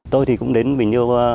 tôi thì cũng đến bình yêu